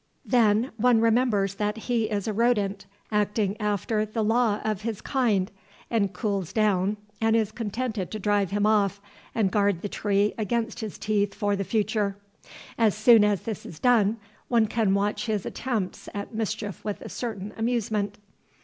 Then one remembers that he is a rodent, acting after the law of his kind, and cools down and is contented to drive him off and guard the tree against his teeth for the future. As soon as this is done, one can watch his attempts at mischief with a certain amusement.